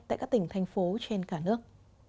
tại các tỉnh thành phố trên cả nước